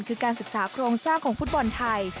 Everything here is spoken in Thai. คือการศึกษาโครงสร้างของฟุตบอลไทย